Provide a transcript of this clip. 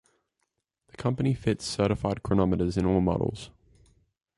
The company fits certified chronometers in all models.